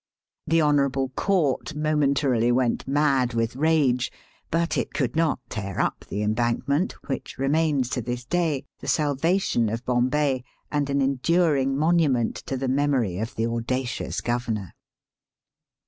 The Honourable Court momentarily went mad with rage; but it could not tear up the em bankment, which remains to this day — the salvation of Bombay, and an enduring monu ment to the memory of the audacious Governor.